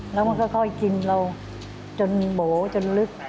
แล้วมันค่อยกินเราจนโบ๋จนลึก